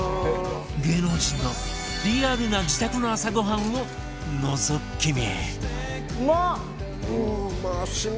芸能人のリアルな自宅の朝ごはんをのぞき見！